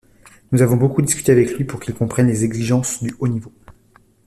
Nous avons beaucoup discuté avec lui pour qu'il comprenne les exigences du haut niveau.